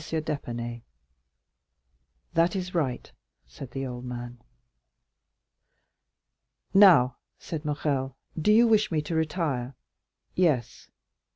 d'Épinay." "That is right," said the old man. "Now," said Morrel, "do you wish me to retire?" "Yes."